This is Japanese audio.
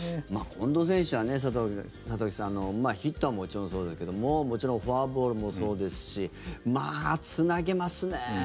近藤選手は里崎さんヒットはもちろんそうだけどももちろんフォアボールもそうですしつなげますよね。